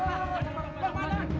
pakistan mooi pokok lah g destruction